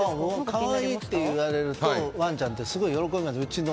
可愛いって言われるとワンちゃんってすごく喜ぶじゃないですか。